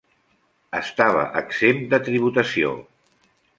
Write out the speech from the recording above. Estava exempt de tributació.